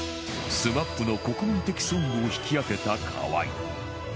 ＳＭＡＰ の国民的ソングを引き当てた河合